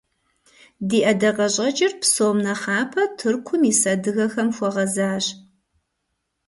Ди ӀэдакъэщӀэкӀыр, псом нэхъапэ, Тыркум ис адыгэм хуэгъэзащ.